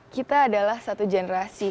kita adalah satu generasi